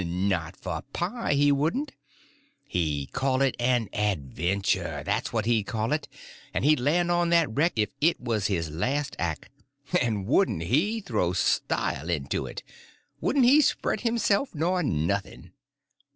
Not for pie, he wouldn't. He'd call it an adventure—that's what he'd call it; and he'd land on that wreck if it was his last act. And wouldn't he throw style into it?—wouldn't he spread himself, nor nothing?